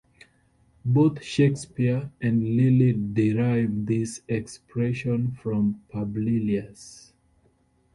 Both Shakespeare and Lyly derive this expression from Publilius.